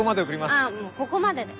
あもうここまでで。